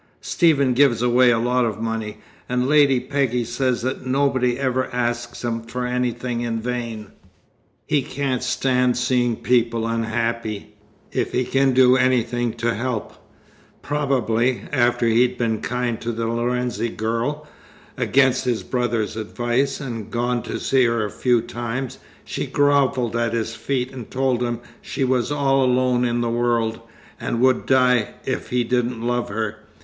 Stephen gives away a lot of money, and Lady Peggy says that nobody ever asks him for anything in vain. He can't stand seeing people unhappy, if he can do anything to help. Probably, after he'd been kind to the Lorenzi girl, against his brother's advice, and gone to see her a few times, she grovelled at his feet and told him she was all alone in the world, and would die if he didn't love her.